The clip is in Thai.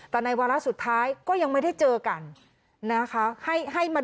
แต่ในวาระสุดท้ายก็ยังไม่ได้เจอกันนะคะ